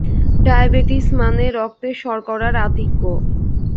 Diabetes মানে রক্তে শর্করার আধিক্য।